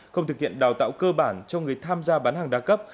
không thực hiện đào tạo cơ bản cho người tham gia bán hàng đa cấp